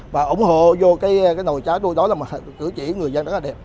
và ủng hộ vô cái nồi cháu tôi đó là cử chỉ người dân rất là đẹp